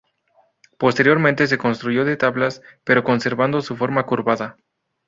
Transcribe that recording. Posteriormente se construyó de tablas, pero conservando su forma curvada.